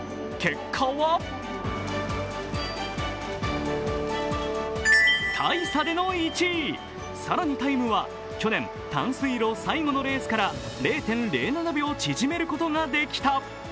結果は大差での１位、更にタイムは去年短水路最後のレースから０．０７秒縮めることができた。